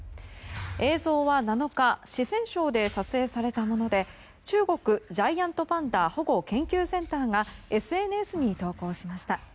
映像は７日四川省で撮影されたもので中国ジャイアントパンダ保護研究センターがＳＮＳに投稿しました。